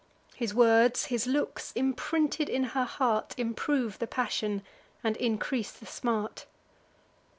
His words, his looks, imprinted in her heart, Improve the passion, and increase the smart.